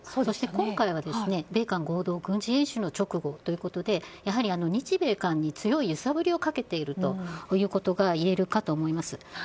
今回は米韓合同軍事演習の直後ということでやはり日米韓に強い揺さぶりをかけているということがいえるかと思います。